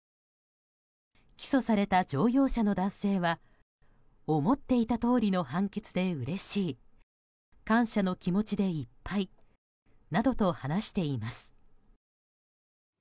起訴された乗用車の男性は思っていた通りの判決でうれしい感謝の気持ちでいっぱいなどと話しています。